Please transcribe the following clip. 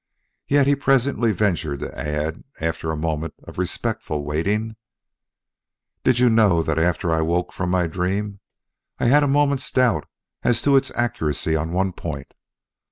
Yet he presently ventured to add after a moment of respectful waiting: "Did you know that after I woke from my dream I had a moment's doubt as to its accuracy on one point?